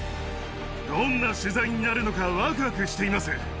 どんな取材になるのか、わくわくしています。